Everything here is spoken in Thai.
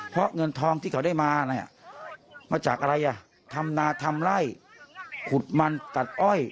เพราะเงินทองที่เขาได้มาเนี่ยมาจากอะไรอ่ะทำนาทำไล่ขุดมันตัดอ้อย